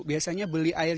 biasanya beli air